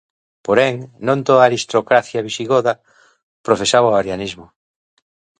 Porén, non toda a aristocracia visigoda profesaba o arianismo.